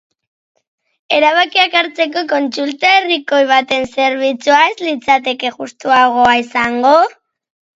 Erabakiak hartzeko kontsulta herrikoi baten zerbitzua ez litzateke justuagoa izango?